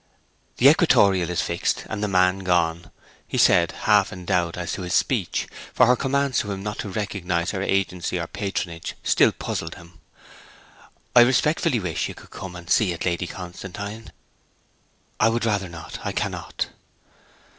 'The equatorial is fixed, and the man gone,' he said, half in doubt as to his speech, for her commands to him not to recognize her agency or patronage still puzzled him. 'I respectfully wish you could come and see it, Lady Constantine.' 'I would rather not; I cannot.'